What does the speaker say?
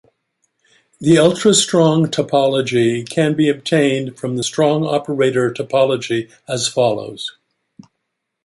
The ultrastrong topology can be obtained from the strong operator topology as follows.